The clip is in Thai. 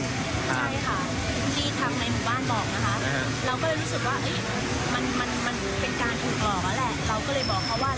ใช่ค่ะพี่ทำในหมู่บ้านบอกนะคะเราก็เลยรู้สึกว่ามันเป็นการถูกบอกอะแหละ